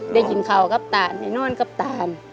ได้กินข่าวกับตานให้นอนกับตาน